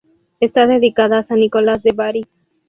Está dedicada a San Nicolás de Bari.